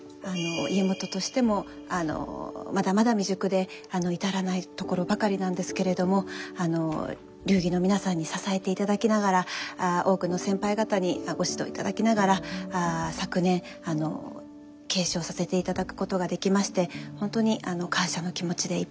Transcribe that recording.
家元としてもまだまだ未熟で至らないところばかりなんですけれども流儀の皆さんに支えていただきながら多くの先輩方にご指導いただきながら昨年継承させていただくことができまして本当に感謝の気持ちでいっぱいです。